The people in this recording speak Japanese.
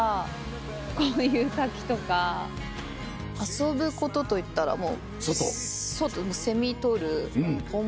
遊ぶことといったらもう外。